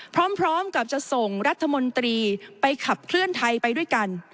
พร้อมกับจะส่งรัฐมนตรีไปขับเคลื่อนไทยไปด้วยกัน